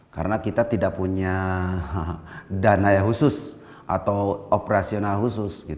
karena kita tidak punya dana khusus atau operasional khusus